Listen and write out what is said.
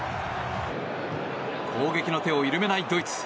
攻撃の手を緩めないドイツ。